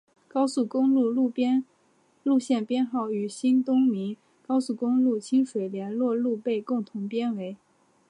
高速公路路线编号与新东名高速公路清水联络路被共同编为。